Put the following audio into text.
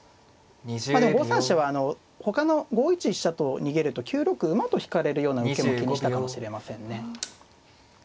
まあでも５三飛車はほかの５一飛車と逃げると９六馬と引かれるような受けも気にしたかもしれませんね。